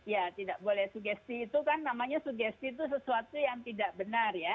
ya tidak boleh sugesti itu kan namanya sugesti itu sesuatu yang tidak benar ya